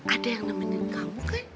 ada yang nemenin kamu kan